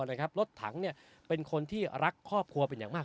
นะครับรถถังเนี่ยเป็นคนที่รักครอบครัวเป็นอย่างมาก